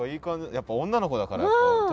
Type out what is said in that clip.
やっぱ女の子だから。